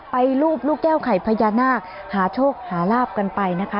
รูปลูกแก้วไข่พญานาคหาโชคหาลาบกันไปนะคะ